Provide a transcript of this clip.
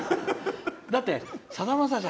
だって、さだまさし